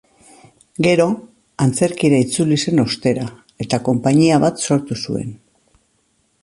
Gero, antzerkira itzuli zen ostera, eta konpainia bat sortu zuen.